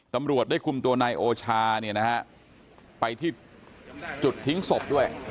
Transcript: ตำรวจได้คุมตัวนายโอชาไปที่จุดทิ้งศพด้วย